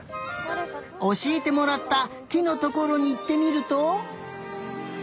おしえてもらったきのところにいってみると。